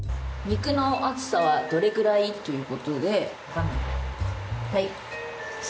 肉の厚さはどれくらいということではい